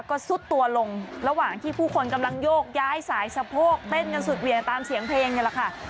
ก็ซุดตัวลงระหว่างที่ผู้คนกำลังโยกย้ายสายสะโพกเต้นกันสุดเหวี่ยงตามเสียงเพลงนี่แหละค่ะ